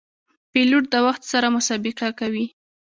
پیلوټ د وخت سره مسابقه کوي.